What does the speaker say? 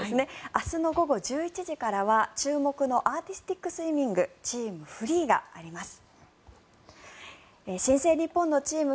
明日の午後１１時からは注目のアーティスティックスイミングチーム・フリーがあります。